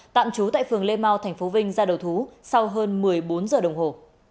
tạm trú tại phường lê mau tp vinh ra đầu thú sau hơn một mươi bốn giờ đồng hồ